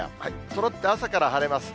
そろって朝から晴れます。